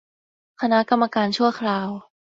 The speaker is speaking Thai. คณะกรรมการชั่วคราว